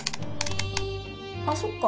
あそっか。